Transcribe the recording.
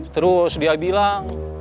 terus dia bilang